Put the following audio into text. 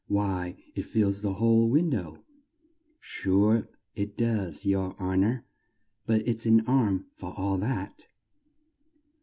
Why, it fills the whole win dow!" "Sure it does, yer hon or; but it's an arm for all that."